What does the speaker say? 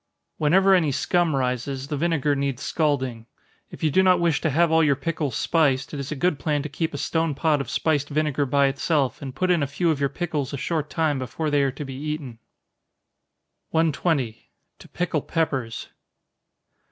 Whenever any scum rises, the vinegar needs scalding. If you do not wish to have all your pickles spiced, it is a good plan to keep a stone pot of spiced vinegar by itself, and put in a few of your pickles a short time before they are to be eaten. 120. _To Pickle Peppers.